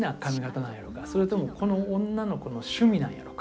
なんやろうかそれともこの女の子の趣味なんやろうか。